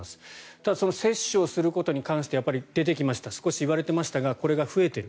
ただ、その接種をすることに関して出てきました少し言われていましたがこれが増えている。